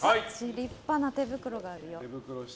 立派な手袋があるよ。